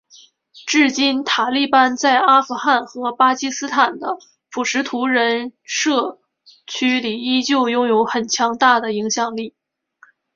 至今塔利班在阿富汗和巴基斯坦的普什图人社区里依旧拥有很强大的影响力。